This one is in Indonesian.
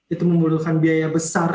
itu membutuhkan biaya besar